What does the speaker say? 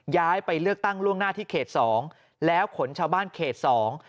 ย้ายไปเลือกตั้งล่วงหน้าที่เขตสองแล้วขนชาวบ้านเขตสอง